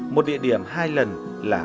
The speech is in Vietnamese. một địa điểm hai lần hai lần hai lần